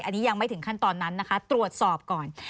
อันนี้ยังไม่ถึงขั้นตอนนั้นนะคะตรวจสอบก่อน